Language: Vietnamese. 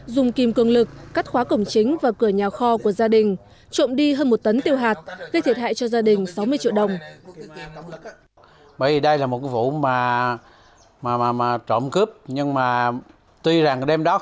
dùng kim cường lực cắt khóa cổng chính và cửa nhà kho của gia đình trộm đi hơn một tấn tiêu hạt gây thiệt hại cho gia đình sáu mươi triệu đồng